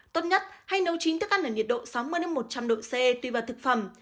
tốt nhất hay nấu chín thức ăn ở nhiệt độ sáu mươi một trăm linh độ c tùy vào thực phẩm